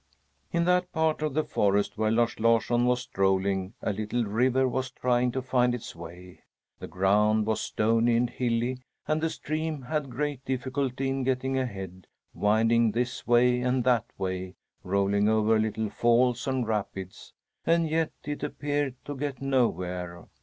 In that part of the forest where Lars Larsson was strolling a little river was trying to find its way. The ground was stony and hilly, and the stream had great difficulty in getting ahead, winding this way and that way, rolling over little falls and rapids and yet it appeared to get nowhere.